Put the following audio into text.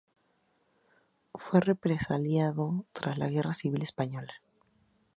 Fue represaliado tras la Guerra civil española.